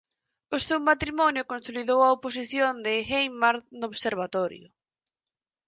O seu matrimonio consolidou a posición de Einmart no observatorio.